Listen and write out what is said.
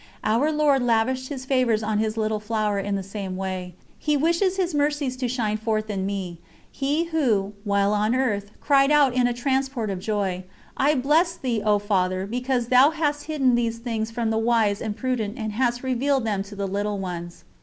Our Lord lavished His favours on His Little Flower in the same way. He wishes His Mercies to shine forth in me He Who, while on earth, cried out in a transport of joy: "I bless Thee, O Father, because Thou hast hidden these things from the wise and prudent and hast revealed them to little ones."